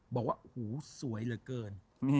บอกว่าหูสวยเหลือเกิน